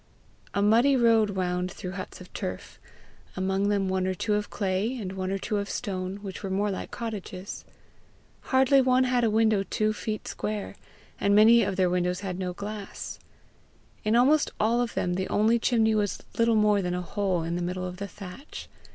A muddy road wound through huts of turf among them one or two of clay, and one or two of stone, which were more like cottages. Hardly one had a window two feet square, and many of their windows had no glass. In almost all of them the only chimney was little more than a hole in the middle of the thatch.